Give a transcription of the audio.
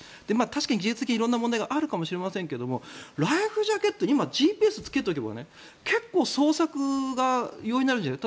確かに技術的に色んな問題があるかもしれないけどライフジャケットに今、ＧＰＳを着けておけば結構、捜索が容易になるんじゃない。